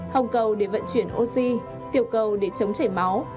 hồng cầu để vận chuyển oxy tiểu cầu để chống chảy máu